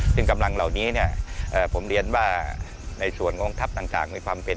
ซึ่งกำลังเหล่านี้เนี่ยผมเรียนว่าในส่วนของกองทัพต่างมีความเป็น